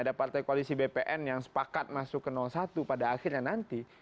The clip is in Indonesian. ada partai koalisi bpn yang sepakat masuk ke satu pada akhirnya nanti